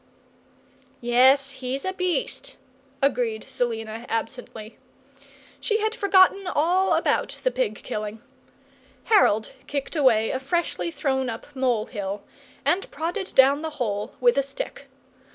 "Yes, he's a beast," agreed Selina, absently. She had forgotten all about the pig killing. Harold kicked away a freshly thrown up mole hill, and prodded down the hole with a stick.